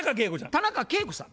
田中圭子さん。